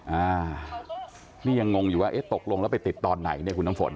อ่านี่ยังงงอยู่ว่าเอ๊ะตกลงแล้วไปติดตอนไหนเนี่ยคุณน้ำฝน